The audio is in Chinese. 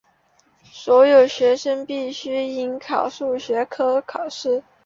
所有学生必须应考数学科考试。